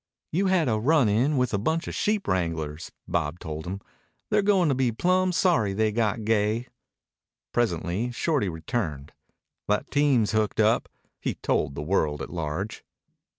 "You had a run in with a bunch of sheep wranglers," Bob told him. "They're going to be plumb sorry they got gay." Presently Shorty returned. "That team's hooked up," he told the world at large.